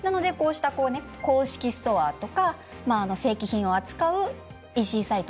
こうした公式ストア正規品を扱うＥＣサイト